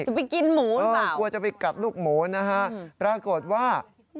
จะไปกินหมูกลัวจะไปกัดลูกหมูนะฮะปรากฏว่า